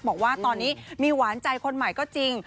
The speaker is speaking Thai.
บอกว่าตอนนี้มีหวานใจคนใหม่ก็จริง